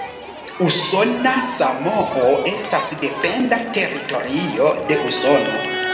Usona Samoo estas dependa teritorio de Usono.